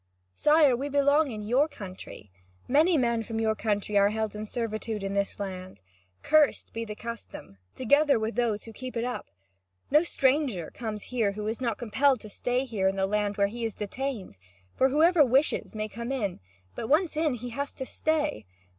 "Sire, we belong in your country. Many men from your country are held in servitude in this land. Cursed be the custom, together with those who keep it up! No stranger comes here who is not compelled to stay here in the land where he is detained. For whoever wishes may come in, but once in, he has to stay.